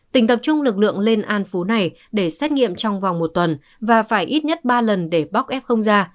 tỉnh tập trung lực lượng lên an phú này để xét nghiệm trong vòng một tuần và phải ít nhất ba lần để bóc ép không ra